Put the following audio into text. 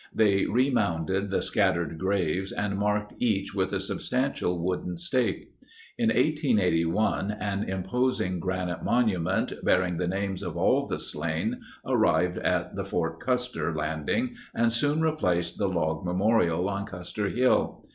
They remounded the scattered graves and marked each with a substantial wooden stake. In 1881 an imposing granite monu ment, bearing the names of all the slain, arrived at the Fort Custer landing and soon replaced the log memorial on Custer Hill.